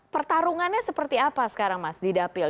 pertarungannya seperti apa sekarang mas di dapil